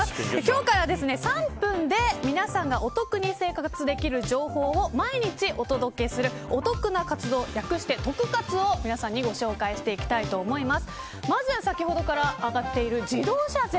今日から、３分で皆さんがお得に生活できる情報を毎日お届けするお得な情報、略してトク活を皆さんにご紹介していきたいと思います。